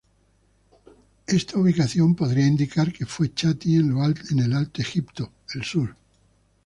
Esta ubicación podría indicar que fue chaty en el Alto Egipto, el sur.